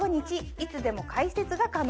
いつでも開設が可能。